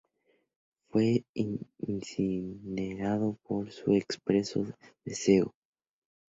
Fue incinerado por su expreso deseo.